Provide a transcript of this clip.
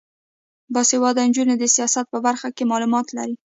باسواده نجونې د سیاحت په برخه کې معلومات لري.